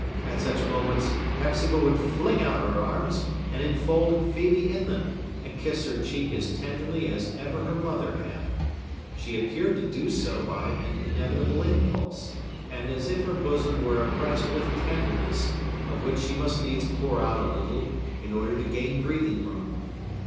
At such moments, Hepzibah would fling out her arms, and infold Phœbe in them, and kiss her cheek as tenderly as ever her mother had; she appeared to do so by an inevitable impulse, and as if her bosom were oppressed with tenderness, of which she must needs pour out a little, in order to gain breathing room.